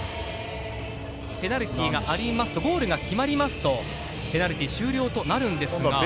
ペナルティーがありますと、ゴールが決まりますとペナルティーがあるんですが。